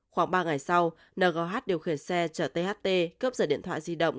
khoảng ba ngày sau ngoh điều khiển xe chở tht cướp giật điện thoại di động